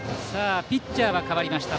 ピッチャーは代わりました